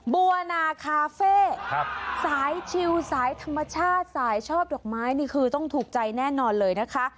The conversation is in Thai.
บัวนาคาเฟ่สายชิลสายธรรมชาติสายชอบดอกไม้นี่คือต้องถูกใจแน่นอนเลยนะคะ